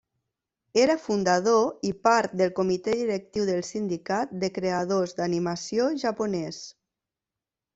Era fundador i part del comitè directiu del sindicat de creadors d'animació japonès.